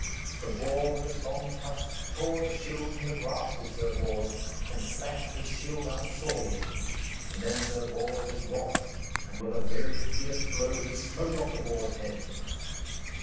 The boar with its long tusks tore the shield from the grasp of Sir Bors, and slashed his shield arm sorely, and then Sir Bors was wroth, and with a very fierce blow he smote off the boar's head.